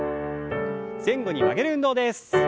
前後に曲げる運動です。